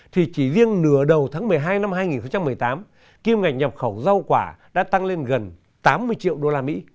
thì chỉ riêng nửa đầu tháng một mươi hai năm hai nghìn một mươi tám kim ngạch nhập khẩu rau quả đã tăng lên gần tám mươi triệu usd